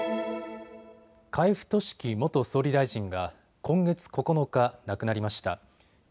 海部俊樹元総理大臣が今月９日、亡くなりました。